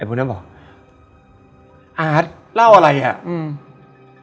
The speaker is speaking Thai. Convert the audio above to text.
ไอ้พวกนั้นบอกอ่าเล่าอะไรอ่ะอืม